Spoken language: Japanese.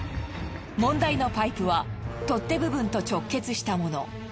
問題のパイプは取っ手部分と直結したもの。